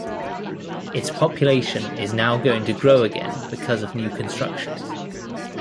Its population is now going to grow again because of new constructions.